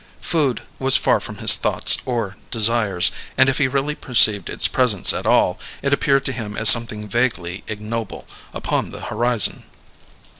Food was far from his thoughts or desires, and if he really perceived its presence at all, it appeared to him as something vaguely ignoble upon the horizon.